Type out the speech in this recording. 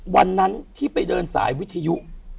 วันนั้นที่ไปเดินสายวิทยุ